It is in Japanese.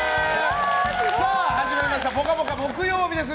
始まりました「ぽかぽか」木曜日です。